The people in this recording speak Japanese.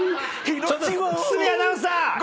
堤アナウンサー！